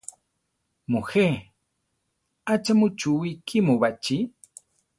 Mujé; achá muchúwi kímu baʼchí?